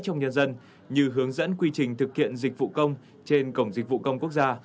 trong nhân dân như hướng dẫn quy trình thực hiện dịch vụ công trên cổng dịch vụ công quốc gia